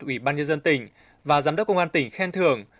ủy ban nhân dân tỉnh và giám đốc công an tỉnh khen thưởng